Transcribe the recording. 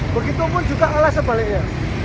begitupun juga alas sebaliknya